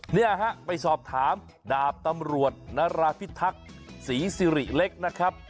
เนี่ยฮะไปสอบถามดาบตำรวจนราพิทักษ์ศรีสิริเล็กนะครับ